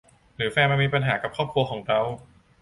หรือแฟนมามีปัญหากับครอบครัวของเรา